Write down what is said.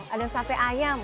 ada sate ayam